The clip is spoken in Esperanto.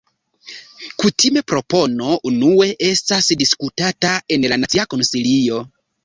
Kutime propono unue estas diskutata en la Nacia Konsilio.